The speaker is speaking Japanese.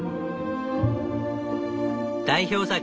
代表作